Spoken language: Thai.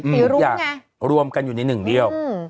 มีทุกอย่างรวมกันอยู่ในหนึ่งเดียว